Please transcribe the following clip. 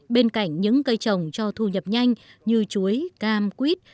bên cạnh những cây trồng cho thu nhập nhanh như chuối cam quýt